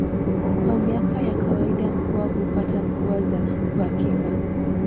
Kwa miaka ya kawaida mkoa hupata mvua za uhakika